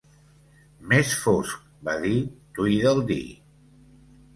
"Més fosc", va dir Tweedledee.